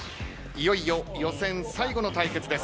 いよいよ予選最後の対決です。